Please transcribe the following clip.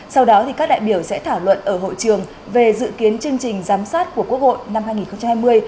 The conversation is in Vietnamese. sau đó các đại biểu sẽ thảo luận ở hội trường về dự kiến chương trình giám sát của quốc hội năm hai nghìn hai mươi